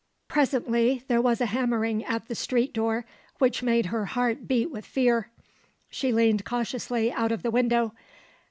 Presently there was a hammering at the street door, which made her heart beat with fear. She leaned cautiously out of the window.